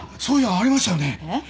そういやありましたよね。